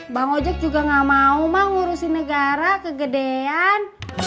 bang ojak juga gak mau emak ngurusin negara kegedean